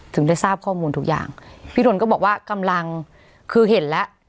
ถึงได้ทราบข้อมูลทุกอย่างพี่ทนก็บอกว่ากำลังคือเห็นแล้ว